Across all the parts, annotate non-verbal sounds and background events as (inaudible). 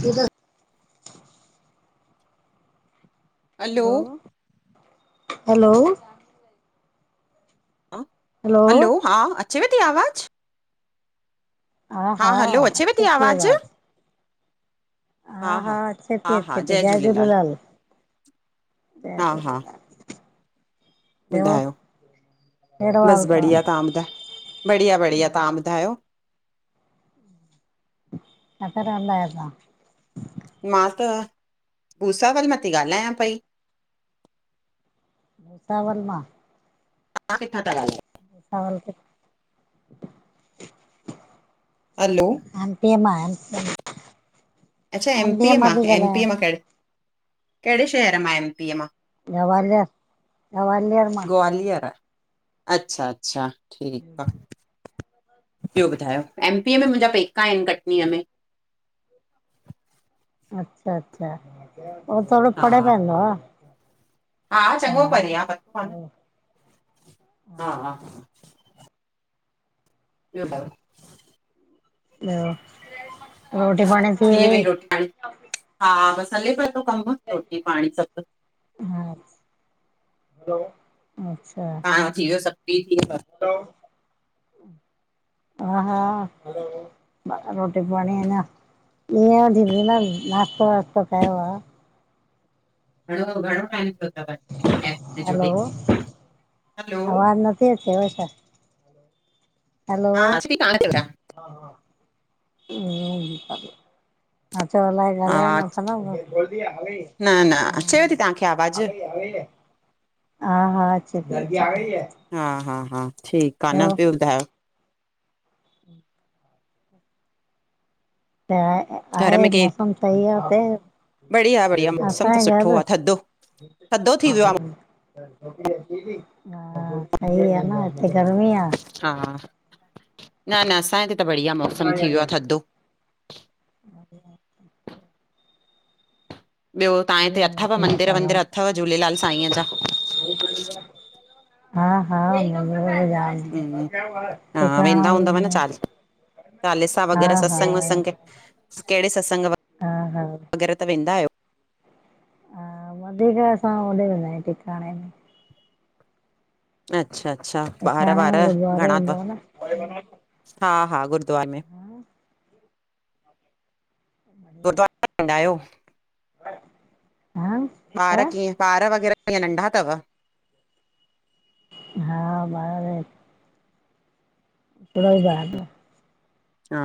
सि (unintelligible) हलो हलो! हा हलो,? हा अचेव थी आवाज़ु हा हा, हलो अचेव थी अचे ती आवाज़। हा हा, अचे थी -अचे थी, जय झूलेलाल। जय हा हा झूलेलाल। ॿियो ॿुधायो कहिड़ो हाल बस अथव बढ़िया तव्हां ॿुधायो, बढ़िया बढ़िया, तव्हां ॿुधायो? काथे रहंदा आयो तां? मां त भूसावल मां थी ॻाल्हायां पई। भूसावल मां! तां किथां ता ॻाल्हयो? आगरा। हलो? एम पी अ मां अच्छा एमपी एमपीअ मां, थी एमपी‌ ॻाल्हायां मां कहिड़े, कहिड़े शहर मां एमपी मां? गवालियर, गवालियर मां। ग्वालियर! आ अच्छा अच्छा ठीकु आ। एमपी में मुंहिंजा पेका आहिन कटनीअ में। अच्छा अच्छा, उहो थोड़ो हा परे पवंदो आ। हा, चङो परे आ पतो आ न। ॿियो हा ॿियो ब ॿियो? थी वई रोटी पाणी? हा, अच्छा। हा थी व्यो सब, फ्री थी वियव? हलो- हा हा, रोटी पाणी अंञां इअं दीदी तां नास्तो वास्तो कयो आ? घणो टाईम थियो थव हिन ऐप में हलो जुड़ी? देर थव छा? हलो! हा अची कान थी वठां मा चयो अलाए ॻाल्हाए हा न सघंदव, न न अचेव थी तव्हांखे हा। आवाज़ु हा हा अचे ती। हा हा ठीक आ‌ न ॿियो ॿुधायो? घर आहे में केरु मौसम सही आहे बढ़िया बढ़िया हुते मौसम त असांजे सुठो घर आहे थधो थधो थी हा वियो सही आ न हिते गर्मी आ। न न असांजे इते त बढ़िया मौसम थी वियो आ थधो। (inaudible) ॿियो तव्हांजे हिते बढ़िया अथव मौसम में मंदिर था वंदिर रहो। अथव झूलेलाल साईंअ जा। हा हा मंदिर त जाम हम्म, हा टिकाणा वेंंदा बि हूंदव न आहिनि। चाली चालीसा हा वग़ैरह हा सतसंग वत्संग कहिड़े सत्संग व हा हा वग़ैरह त वेंदा आहियो? हा वधीक असां होॾेऐ वेंदा आहियूं टिकाणे में। अच्छा अच्छा ॿार टिकाणे वार में गुरुद्वारो घणा तव? हूंदो आ न। हा हा गुरुद्वारे में। हा, (inaudible) गुद्वारा वेंदा आहियो? ह? ॿार कीअं ॿार वग़ैरह कीअं नंढा तव? हा ॿार नंढा (unintelligible) हा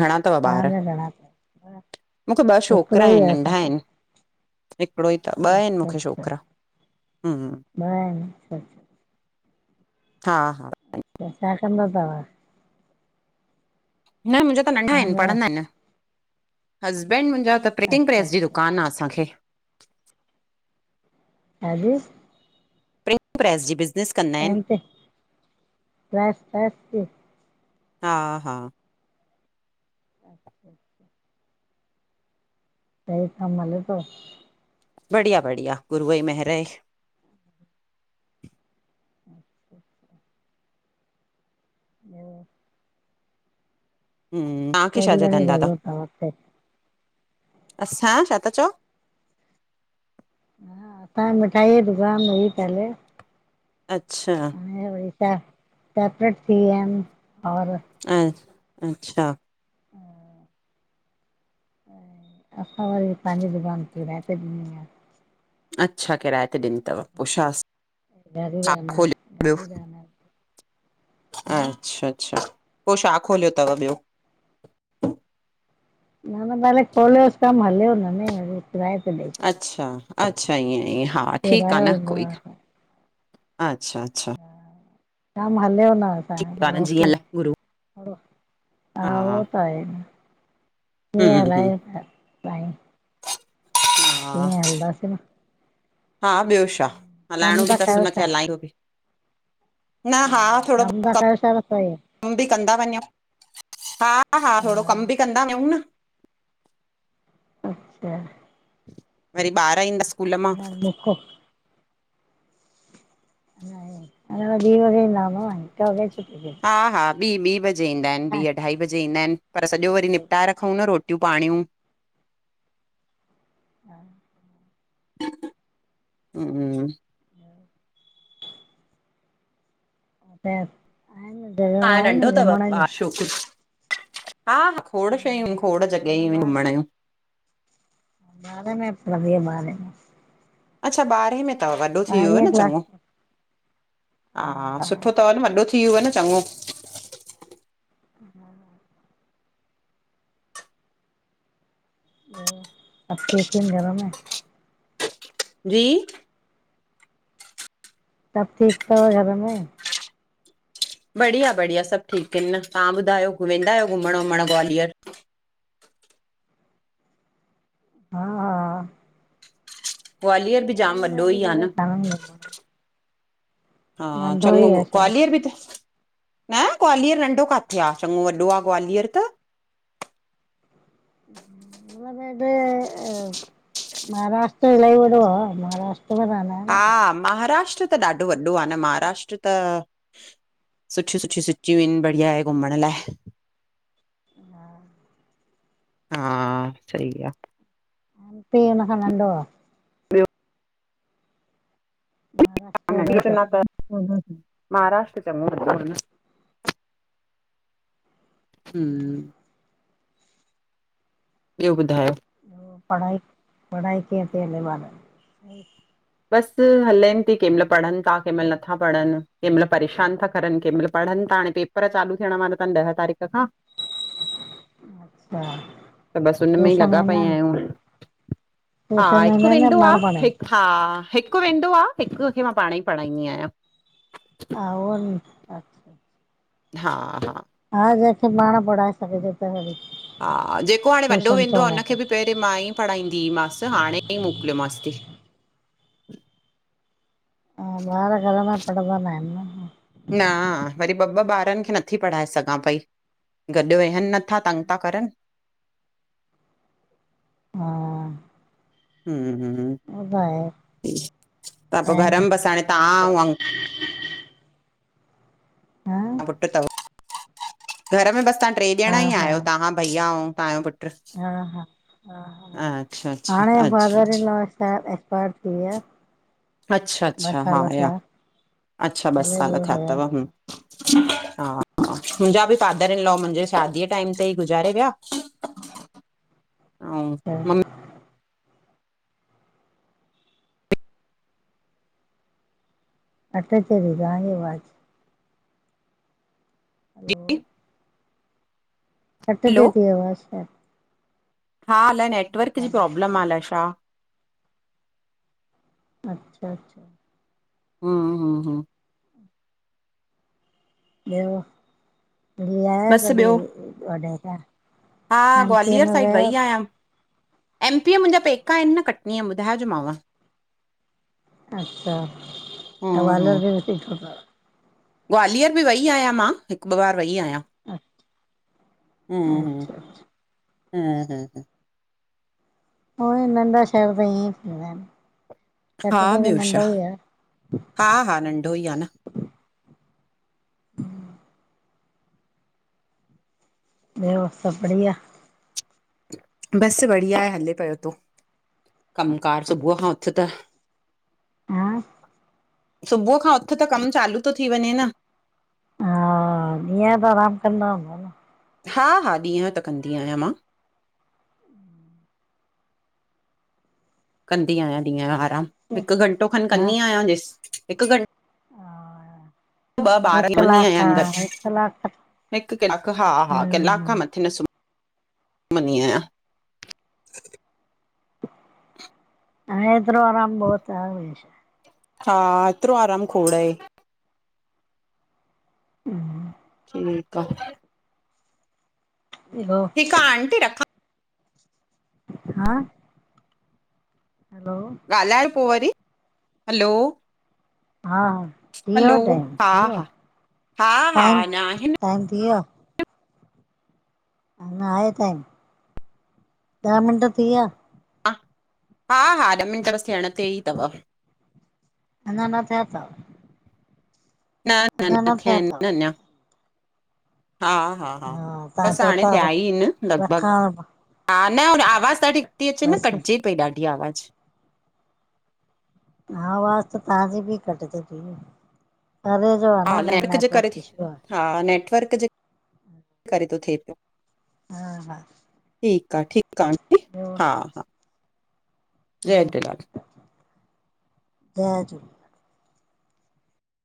घणा तव ॿार? तव्हांजा घणा अथव? मूंखे ॿ छोकरा हिकिड़ो ई आहिन, आ नंढा असांखे। आहिनि। हिकिड़ो ही तव, ॿ आहिनि अच्छा मूंखे अच्छा छोकिरा हम्म। ॿ आहिनि अच्छा हा हा त छा कंदा तव? न मुंजा त नंढा आहिनि तव्हांजा पढ़ंदा आहिनि अञा हसबैंड मुंजा त प्रिंटिंग अच्छा प्रेस जी अच्छा दुकान आहे असांखे। छा जी? प्रिंटिंग प्रेस जी बिज़नेस। कंदा आहिनि पैंट (unintelligible) हा हा (inaudible) (unintelligible) बढ़िया बढ़िया गुरू ही महेर आहे। (inaudible) ॿियो हम्म तव्हांखे कहिड़ी छाजा घणी धंधा तव जॻह अथव हुते असांया, छा था चओ? असांखे मिठाई जी दुकान हुई पहले। अच्छा हाणे वरी सेपरेट थी विया आहिनि भावर अच्छा हा ऐं असां वरी पांजी दुकान किराऐ ते ॾिनी आ। अच्छा किराए ते ॾिनी तव पूछास ॾाढी रेहम आ ॾाढी रेहम आ। अच्छ, अच्छा पोइ छा खोलियो थव ॿियो? न, न पहले खोलियोस कमु हलियो न त किराए त ॾेई छॾियो। अच्छा, अच्छा ईअं ईअ हा ठीकु आह किरायो न ईंदो कोई आहे ॻाल अच्छा, अच्छा। ॼाम हल्यौ न असांजो ठीकु आहे न जीअं पड़ोसी अलाए गुरू हा उ त आहे न, हम्म हम्म (unintelligible) हा। इय हलंदासीं न। हा ॿियो छा, कम हलाइणो था बि थसि कयो छा हुनखे हलायो बि, न हा थोरो कम ता कयो शा त (unintelligible) कम बि कंदा वञो। हा, हा थोरो कम बि कंदा वञूं न। अच्छा। वरी ॿार ईंदस। (unintelligible) धिकौ अन्ना त ॿि बजे भी ईंदा हुंदव न, कैणो छुट जे हा, हा, ॿी, ॿी बजे ईंदा आहिनि, ॿी, अढाई बजे ईंदा आहिनि। पर सॼो वरी निपटाए रखूंव न रोटियूं पाणियूं। हा। हु। (inaudible) (unintelligible) आहिनि जॻहियूं आहिनि घुमण जूं छोक, हा खोड़ हा शयूं खोड़ जॻहियूं हु अञा घुमण यू ॿारे में (unintelligible) ॿारे में अच्छा ॿारहें में थव वॾो थी वियो हुय ॿारहें न क्लास चॻो हा, हा सुठो थव न, वॾो थी वियो हुव न चॻो। (inaudible) सब ठीक आहिनि घर में। जी सभु ठीकु थव घर में? बढ़िया, बढ़िया सभु ठीकु आहिनि, तव्हां ॿुधायो वेंदा आहियो घुमण, वुमण ग्वालियर? हा ग्वालियर बि गोवा ॼाम में वॾो हेॾी ई आ जॻह न। कान्हनि घुमण हा, नंढो चॻौ ई आहे शहर। ग्वालियर बि त न ग्वालियर नंढो काथे आह, चॻौ वॾो आह ग्वालियर त। भ (unintelligible) महाराष्ट्र इलाइ वॾो आह, महाराष्ट में र हा, महाराष्ट्र त ॾाढो वॾो आह न, महाराष्ट्र त सुठियूं, सुठियूं सिटियूं आहिनि, बढ़िया आहे घुमण लाइ। (inaudible) हा, सइ आह। पे हिन खा नंढो आह। ॿयाे? (unintelligible) शहर (unintelligible) महाराष्ट्र चंगो हु ॿियो ॿुधायो? पढाई, पढ़ाई कींअ ती हले ॿारन जी? ऐं (unintelligible) बस हलेन थी, कं केंमल पढ़न था, केंमल नथा पढ़न, कंहिं मल परेशान था करन, कंकें मल पढ़न था, हाणे पे पेपर चालू थियण वारा थन ॾह तारीख़ खां (inaudible) अच्छा त बस हुन में ई ट्यूशन लॻा वेंदा पया आहिनि आंयूं। हा ट्यूशन हिकु वेंदा आहिनि या वेंदो आ, पाण पढ़ाई? हिकु हा हिकु वेंदो आ, हिक खे मां पाण ई पढ़ाईंदी आहियां। त उ (unintelligible) हा। हा जेंखे पाण पढ़ाए सघिजे। त (inaudible) हा जेको हाणे वॾो ट्यूशन वेंदो छो आ हुनखे बि मोकिले? पहिंरीं मां ई पढ़ाईंदीमांसि, हाणे ई मोकिलियोमांसि थी। हा, बार घर मे पढंदा न आहिन न। न, वरी ॿ ॿ ॿारनि खे नथी पढ़ाए सघां पई गॾु वेहन न मथां तंग था करन। हा। हममममम अ भाए त पोइ घर टाइम में बसि हाणे लदो तव्हां ऐं अंक (unintelligible) पुट्र तव? घर में बस तां ट्रे ॼणा हा ई हा आयो, तहां भईया ऐं तंहांजो पुटु? हा हा हा ह अच्छा अच्छा हाणे अच्छा फादर इन अच्छा लाॅ एक्सपायर थी विया। अच्छा ॿ अच्छा हा साल याॉ थिया अच्छा ॿ पहले साल उहे थिया थव। हुया हमम मुंहिंजा बि फादर इन लॉ मुंहिंजे शादीअ टाईम ते ई गुज़ारे विया (inaudible) अऊं हा (inaudible) अठचेरी दङ वाज (unintelligible) हलो जी? कटिजे थी आवाज छा? हा अलाए नेटवर्क जी हा प्रॉब्लम आ अलाए छा! अच्छा अच्छा। हमममममह ॿियो मिली आया बसि कॾहिं? ॿियो वॾे खां हा ग्वालियर साइड वई आयां। एमपीअ मुंहिंजा पेका आहिन न कटनीअ ॿुधायोजोमांव। अच्छा त हम्म वलर हम्म बि न सी (unintelligible) ग्वालियर बि वेई आहियां मां, हिकु ॿ बार वेई आहियां। अचछ (unintelligible) हमम हमम हमम उ ई नंढा शहर त ईंअ ई थींदा आहिन। हा ॿियो छा हा हा नंढो ई आ न। ह (inaudible) ॿियो सब बढ़िया? बसि बढ़िया आहे, हले पयो तो। कमकार सुबुअ खां उथि त। हा सुबुअ खां उथु त कमु चालू तो थी वंञें न हा ॾीहं यो त आराम कंदा हुंदव? हा हा ॾींहं यो त कंदी आहियां मां। कंदी आहियां ॾींहं यो आराम, हिकु घंटो खनि हा कंदी आहियां जेस् हिकु घंट् हा। ॿ ॿार (unintelligible) हिकु कलाक आहिनि गॾु हिकु कलाक हिकु किलाक हा हा किलाक खां हम्म मथे न सुम्ह मनी आहियां हा एतिरो आराम बहुत आ, ॿियो छा। हा एतिरो आराम खोड़ ए। हम्म। ठीक आ। ॿियो ठीक आ आंटी रख। ह? हैलो ॻाल्हायो पो वरी, हलो हा हा थी यो हलो, टाइम हा थी यो, हा, हा हा, टाइम अञा आहिनि। टाइम थी व्यो? अञां आहे टाईम, ॾह मिंट थी विया? ह हा हा ॾह मिंट बस थियणं तेई तव। अञां न थिया तव? न न न थिया इनि न अंञां, हा। हा हा तव्हां बसि चओ हाणे था थिया ई इनि लॻभॻि। रखां हा न आवाज़ु ॾाढी घटि ती अचे न बसि कटिजे पई ॾाढी आवाज़। आवाज़ त तहांजी बि कटजे ती न। आ हा न न जे नेटवर्क करे थी ईशु आहे। हा! नेटवर्क जे करे, तो थिए पियो। हा हा। ठीक आ, ठीकु आ आंटी ॿियो हा हा। जय हा झूलेलाल जय झूले